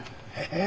ええ？